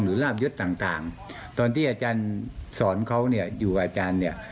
ราบยศต่างตอนที่อาจารย์สอนเขาเนี่ยอยู่กับอาจารย์เนี่ย